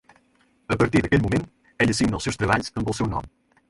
A partir d'aquell moment ella signa els seus treballs amb el seu nom.